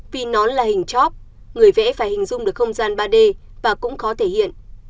vì nó là hình chóp người vẽ phải hình dung được không gian ba d và cũng khó thể hiện